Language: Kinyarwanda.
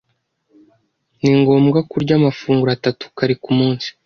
Ni ngombwa kurya amafunguro atatu kare kumunsi.